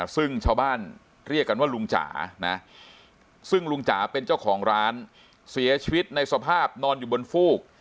ซึ่งชาวบ้านเรียกกันว่าลุงจ๋านะซึ่งลุงจ๋าเป็นเจ้าของร้านเสียชีวิตในสภาพนอนอยู่บนฟูก